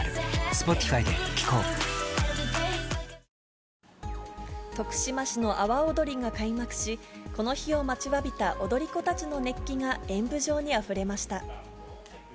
ホーユー徳島市の阿波踊りが開幕し、この日を待ちわびた踊り子たちの熱気が演舞場にあふれました。